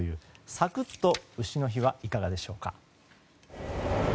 サクッと丑の日はいかがでしょうか。